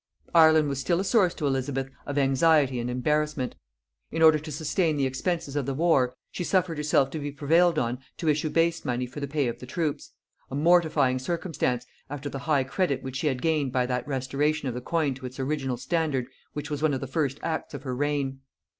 Ireland was still a source to Elizabeth of anxiety and embarrassment. In order to sustain the expenses of the war, she suffered herself to be prevailed on to issue base money for the pay of the troops; a mortifying circumstance, after the high credit which she had gained by that restoration of the coin to its original standard which was one of the first acts of her reign.